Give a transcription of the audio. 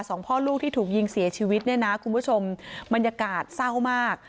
พ่อลูกที่ถูกยิงเสียชีวิตเนี่ยนะคุณผู้ชมบรรยากาศเศร้ามาก